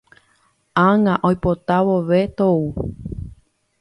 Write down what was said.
Ág̃a oipota vove tou